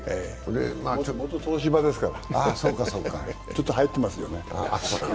もともと東芝ですからちょっと入ってますよね。